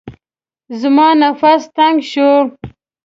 زما نفس تنګ شو.